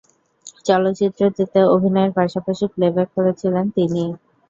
চলচ্চিত্রটিতে অভিনয়ের পাশাপাশি প্লেব্যাক করেছিলেন তিনি।